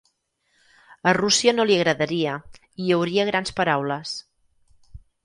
A Russia no li agradaria i hi hauria grans paraules.